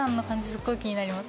すっごい気になります。